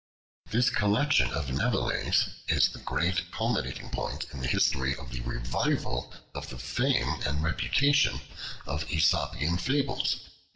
This collection of Nevelet's is the great culminating point in the history of the revival of the fame and reputation of Aesopian Fables.